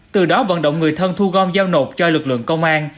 từ đó vận động người thân thu gom giao nộp cho lực lượng công an